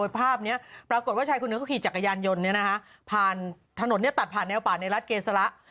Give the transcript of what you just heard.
ภาพเนี้ยปรากฏว่าชายคุณเนื้อเขาขี่จักรยานยนต์เนี้ยนะคะผ่านถนนเนี้ยตัดผ่านแนวป่านในรัฐเกสละ